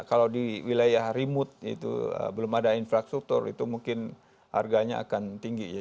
kalau di wilayah remote itu belum ada infrastruktur itu mungkin harganya akan tinggi ya